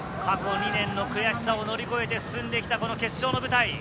過去２年の悔しさを乗り越えて進んできた決勝の舞台。